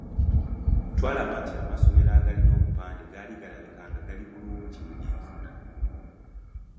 Twalaba nti amasomero agalina obupande gaali galabika nga gali bulungi mu byenfuna.